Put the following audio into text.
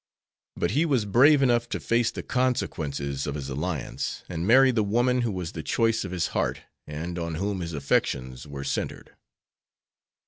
But he was brave enough to face the consequences of his alliance, and marry the woman who was the choice of his heart, and on whom his affections were centred.